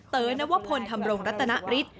เต๋อนวพลธรรมรงค์รัตนริศ